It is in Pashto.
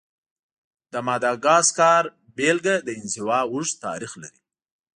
د ماداګاسکار بېلګه د انزوا اوږد تاریخ لري.